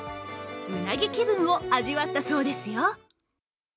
うなぎ気分を味わったそうですよ。